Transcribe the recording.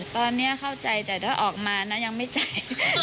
ตอนนี้เข้าใจแต่ถ้าออกมานะยังไม่จ่าย